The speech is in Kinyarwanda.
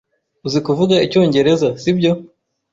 Uzi kuvuga icyongereza, sibyo?